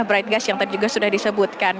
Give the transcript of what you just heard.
bright gas yang tadi juga sudah disebutkan